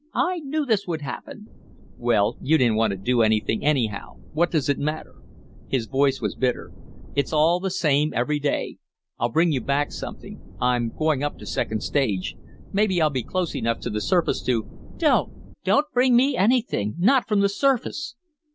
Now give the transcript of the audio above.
"I knew this would happen." "Well, you didn't want to do anything, anyhow. What does it matter?" His voice was bitter. "It's all the same, every day. I'll bring you back something. I'm going up to second stage. Maybe I'll be close enough to the surface to " "Don't! Don't bring me anything! Not from the surface!"